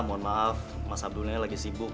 mohon maaf mas abdullah ini lagi sibuk